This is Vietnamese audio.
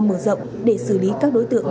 mở rộng để xử lý các đối tượng